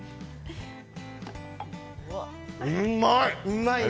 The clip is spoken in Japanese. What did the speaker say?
うまい！